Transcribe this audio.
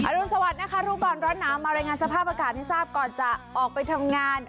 อรุณสวัสดิ์นะคะทุกคนร้อนน้ำมารายงานสภาพอากาศที่ทราบก่อนจะออกไปทำงาน